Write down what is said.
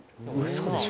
嘘でしょ？